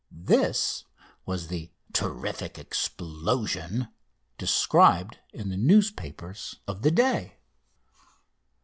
This was the "terrific explosion" described in the newspapers of the day.